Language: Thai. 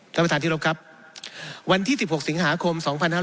ท่านประธานที่รบครับวันที่๑๖สิงหาคม๒๕๖๒